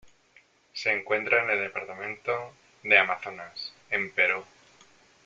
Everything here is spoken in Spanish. Se encuentra en el departamento de Amazonas, en Perú.